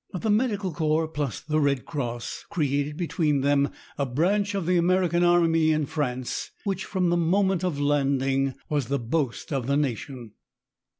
But the Medical Corps plus the Red Cross created between them a branch of the American Army in France which, from the moment of landing, was the boast of the nation.